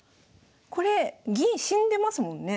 これ銀死んでますもんね。